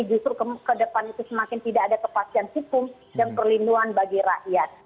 justru ke depan itu semakin tidak ada kepastian hukum dan perlindungan bagi rakyat